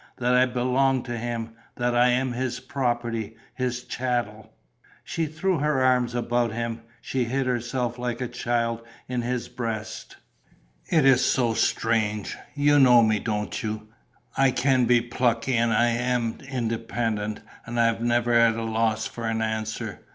That I belong to him, that I am his property, his chattel." She threw her arms about him, she hid herself like a child in his breast: "It is so strange.... You know me, don't you? I can be plucky and I am independent and I am never at a loss for an answer.